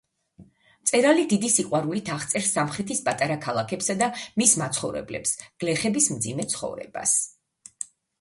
მწერალი დიდი სიყვარულით აღწერს სამხრეთის პატარა ქალაქებსა და მის მაცხოვრებლებს, გლეხების მძიმე ცხოვრებას.